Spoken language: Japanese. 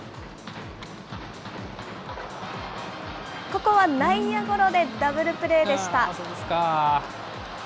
ここは内野ゴロでダブルプレーでした。